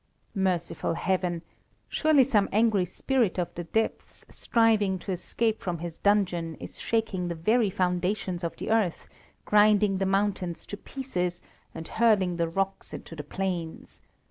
Merciful Heaven! Surely some angry spirit of the depths, striving to escape from his dungeon, is shaking the very foundations of the earth, grinding the mountains to pieces, and hurling the rocks into the plains.